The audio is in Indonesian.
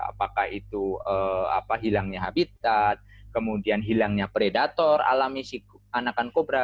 apakah itu hilangnya habitat kemudian hilangnya predator alami si anakan kobra